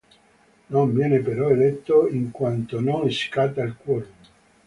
Non viene però eletto, in quanto non scatta il quorum.